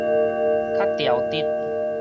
較條直